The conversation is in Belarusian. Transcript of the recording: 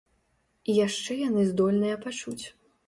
І яшчэ яны здольныя пачуць.